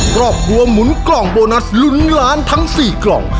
ครอบครัวหมุนกล่องโบนัสลุ้นล้านทั้ง๔กล่อง